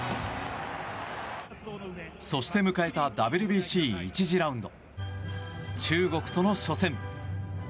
そして迎えたＷＢＣ１次ラウンド中国との初戦。